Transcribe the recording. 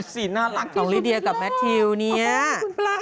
สีน่ารักที่สุดแล้วโอ้โฮคุณพระ